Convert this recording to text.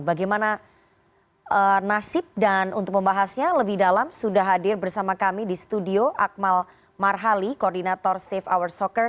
bagaimana nasib dan untuk membahasnya lebih dalam sudah hadir bersama kami di studio akmal marhali koordinator safe hour soccer